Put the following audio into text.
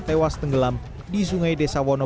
tewas tenggelam di sungai desa wono